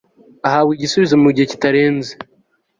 ahabwa igisubizo mu gihe kitarenze